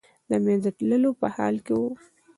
د منځه تللو په حال کې و.